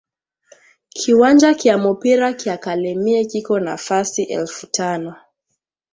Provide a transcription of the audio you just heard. Kiwanja kya mupira kya kalemie kiko na fasi elfu tano